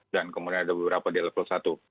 dan kemudian ada beberapa di level satu